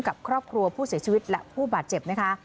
กับครอบครัวผู้เสียชีวิตและผู้บาดเจ็บนะคะ